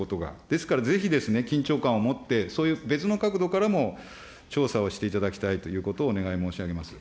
ですからぜひ、緊張感を持って、そういう、別の角度からも調査をしていただきたいということをお願い申し上げます。